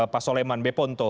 pak soleman beponto